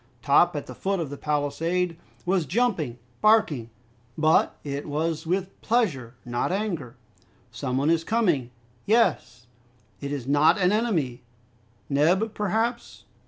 Top, at the foot of the palisade, was jumping, barking, but it was with pleasure, not anger. "Some one is coming." "Yes." "It is not an enemy!" "Neb, perhaps?"